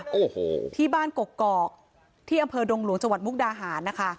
โอ้โหที่บ้านกกอกที่อำเภอดงหลวงจังหวัดมุกดาหารนะคะ